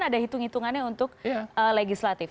ada hitung hitungannya untuk legislatif